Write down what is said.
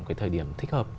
cái thời điểm thích hợp